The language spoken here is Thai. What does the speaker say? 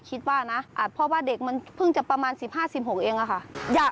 คิดว่านะเพราะว่าเด็กมันเพิ่งจะประมาณ๑๕๑๖เองอะค่ะ